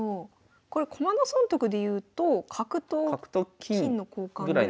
これ駒の損得でいうと角と金の交換ぐらい。